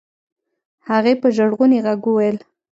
هغې په ژړغوني غږ وويل.